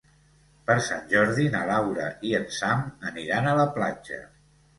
Per Sant Jordi na Laura i en Sam aniran a la platja.